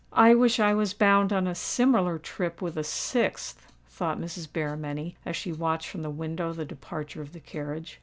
"I wish I was bound on a similar trip with a sixth," thought Mrs. Berrymenny, as she watched from the window the departure of the carriage.